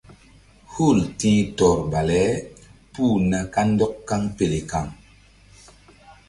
Hul ti̧h tɔr bale puh na kandɔk kaŋpele kaŋ.